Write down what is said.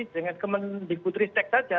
dengan kemendiku tristek saja